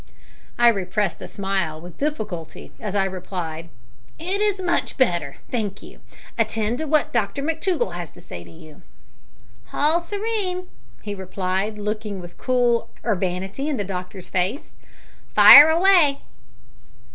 I repressed a smile with difficulty as I replied "It is much better, thank you. Attend to what Dr McTougall has to say to you." "Hall serene," he replied, looking with cool urbanity in the doctor's face, "fire away!"